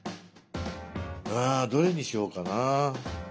あどれにしようかな。